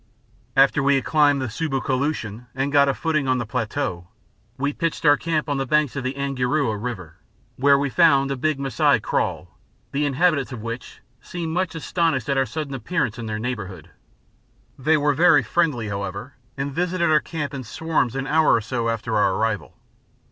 After we had climbed the Subu Ko Lultian and got a footing on the plateau, we pitched our camp on the banks of the Angarua river, where we found a big Masai kraal, the inhabitants of which seemed much astonished at our sudden appearance in their neighbourhood. They were very friendly, however, and visited our camp in swarms an hour or so after our arrival.